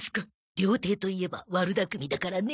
料亭といえば悪巧みだからね。